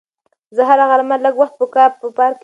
زه هره غرمه لږ وخت په پارک کې تېروم.